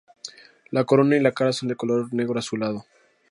La corona y la cara son de color negro azulado.